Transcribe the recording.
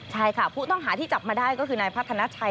ใช่ค่ะผู้ต้องหาที่จับมาได้ก็คือนายพัฒนาชัย